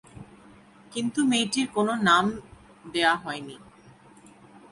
কিন্তু মেয়েটির কোনো নাম দেয়া হয়নি।